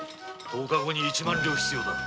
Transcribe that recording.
十日後に一万両必要だ。